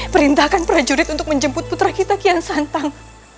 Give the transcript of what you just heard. perintahkan prajurit untuk menjemput putra kita kian santang